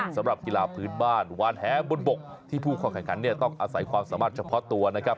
สำหรับกีฬาพื้นบ้านวานแหบนบกที่ผู้เข้าแข่งขันเนี่ยต้องอาศัยความสามารถเฉพาะตัวนะครับ